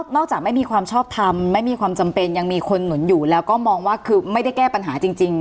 จากไม่มีความชอบทำไม่มีความจำเป็นยังมีคนหนุนอยู่แล้วก็มองว่าคือไม่ได้แก้ปัญหาจริง